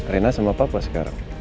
rena sama papa sekarang